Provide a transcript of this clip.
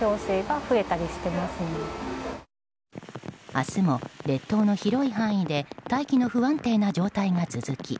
明日も列島の広い範囲で大気の不安定な状態が続き